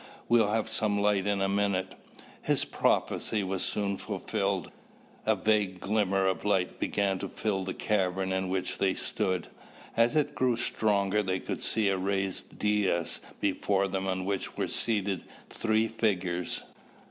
We'll have some light in a minute." His prophecy was soon fulfilled. A vague glimmer of light began to fill the cavern in which they stood. As it grew stronger they could see a raised dais before them on which were seated three figures.